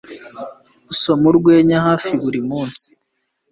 Nsoma urwenya hafi buri munsi